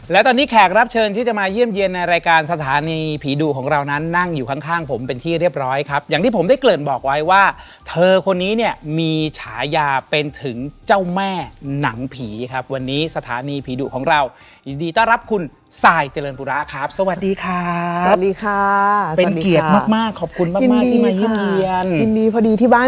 และตอนนี้แขกรับเชิญที่จะมาเยี่ยมเยี่ยมในรายการสถานีผีดุของเรานั้นนั่งอยู่ข้างข้างผมเป็นที่เรียบร้อยครับอย่างที่ผมได้เกริ่นบอกไว้ว่าเธอคนนี้เนี่ยมีฉายาเป็นถึงเจ้าแม่หนังผีครับวันนี้สถานีผีดุของเรายินดีต้อนรับคุณซายเจริญปุระครับสวัสดีครับสวัสดีค่ะเป็นเกียรติมากมากขอบคุณมากมากที่มาเยี่ยมยินดีที่บ้าน